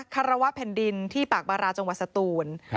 คารวะแผ่นดินที่ปากบาราจังหวัดสตูน